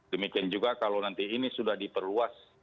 demikian juga kalau nanti ini sudah diperluas